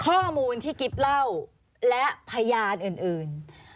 ข้อมูลที่กิ๊บเล่าและพยานอื่น